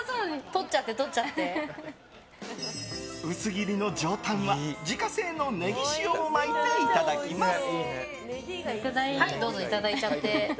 薄切りの上タンは自家製のネギ塩を巻いていただきます。